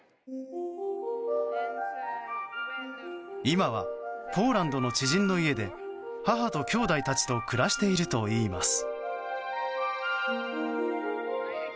今は、ポーランドの知人の家で母と、きょうだいたちと暮らしているといいます。